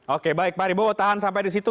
oke baik pak haribowo tahan sampai disitu